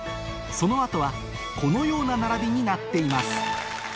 その後はこのような並びになっています